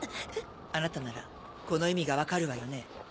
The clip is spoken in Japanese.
あなたならこの意味が分かるわよね？